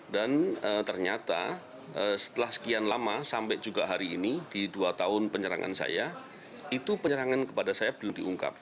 dan ternyata setelah sekian lama sampai juga hari ini di dua tahun penyerangan saya itu penyerangan kepada saya belum diungkap